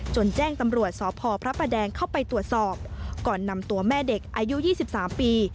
แจ้งตำรวจสพพระประแดงเข้าไปตรวจสอบก่อนนำตัวแม่เด็กอายุ๒๓ปี